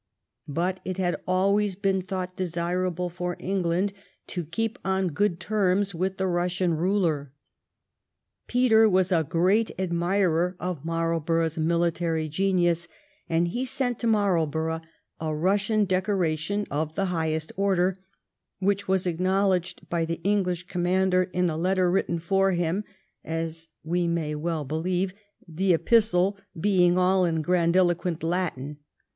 But it had always been thought desirable for England to keep on good terms with the Eussian ruler. Peter was a great admirer of Marlborough's military genius, and he sent to Marlborough a Eussian decora tion of the highest order, which was acknowledged by the English commander in a letter written for him, as we may well believe, the epistle being all in grandi loquent Latin.